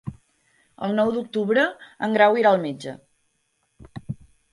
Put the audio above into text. El nou d'octubre en Grau irà al metge.